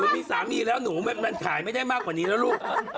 โบสถ์มีสามีแล้วขายไม่ได้มากกว่านี้แล้วลูก